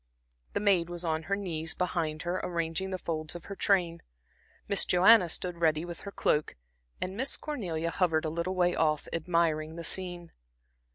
The maid was on her knees behind her arranging the folds of her train, Miss Joanna stood ready with her cloak, and Miss Cornelia hovered a little way off, admiring the scene.